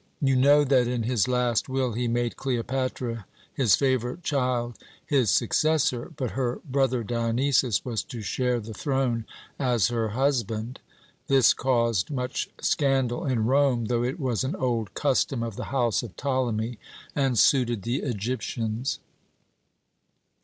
You know that in his last will he made Cleopatra, his favourite child, his successor, but her brother Dionysus was to share the throne as her husband. This caused much scandal in Rome, though it was an old custom of the house of Ptolemy, and suited the Egyptians.